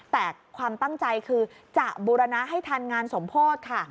แต่ความตั้งใจคือจะบูรณะให้ทันงานสมโพธิค่ะ